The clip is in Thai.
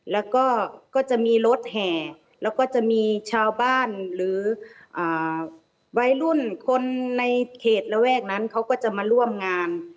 แล้วก็ก็จะมีรถแห่แล้วก็จะมีชาวบ้านหรือวัยรุ่นคนในเขตระแวกนั้นเขาก็จะมาร่วมงาน